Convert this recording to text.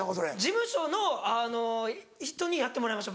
事務所の人にやってもらいました。